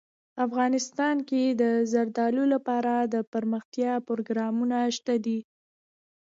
افغانستان کې د زردالو لپاره دپرمختیا پروګرامونه شته دي.